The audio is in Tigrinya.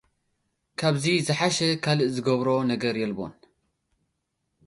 ካብዚ ዝሓሸ ኻልእ ዝገብሮ ነገር የልቦን።